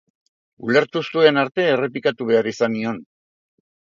Ulertu zuen arte errepikatu behar izan nion.